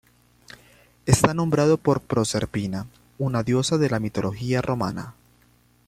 Está nombrado por Proserpina, una diosa de la mitología romana.